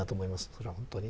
それは本当に。